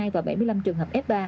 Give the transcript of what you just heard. và bảy mươi năm trường hợp f ba